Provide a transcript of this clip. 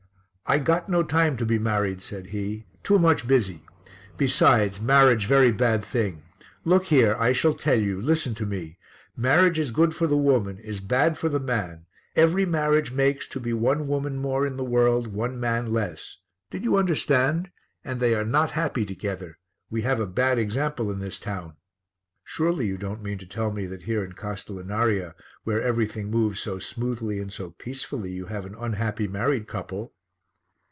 "I got no time to be married," said he, "too much busy. Besides, marriage very bad thing. Look here, I shall tell you, listen to me. Marriage is good for the woman, is bad for the man: every marriage makes to be one woman more in the world, one man less. Did you understand? And they are not happy together. We have a bad example in this town." "Surely you don't mean to tell me that here in Castellinaria, where everything moves so smoothly and so peacefully, you have an unhappy married couple?"